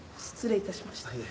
失礼いたしました。